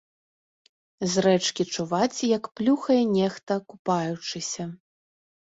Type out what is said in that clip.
З рэчкі чуваць, як плюхае нехта, купаючыся.